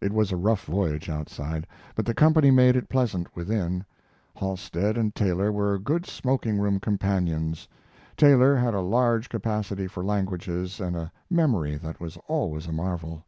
It was a rough voyage outside, but the company made it pleasant within. Halstead and Taylor were good smoking room companions. Taylor had a large capacity for languages and a memory that was always a marvel.